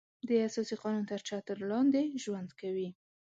د اساسي قانون تر چتر لاندې ژوند کوي.